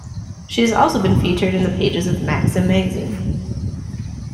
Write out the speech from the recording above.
She has also been featured in the pages of Maxim magazine.